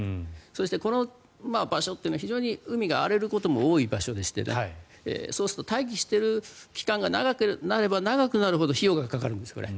そしてこの場所というのは非常に海が荒れることも多い場所でしてそうすると待機している期間が長くなればなるほど費用がかかるんです、これ。